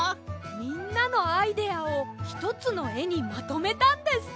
みんなのアイデアをひとつのえにまとめたんです。